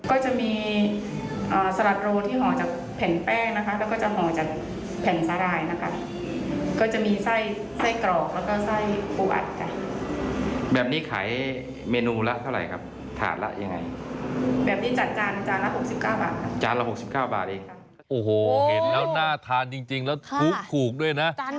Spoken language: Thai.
โอ้โฮเห็นแล้วน่าทานจริงแล้วขุกด้วยนะ